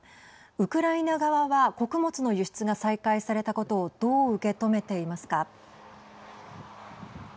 ウクライナ側は穀物の輸出が再開されたことをどう受け止めていますか。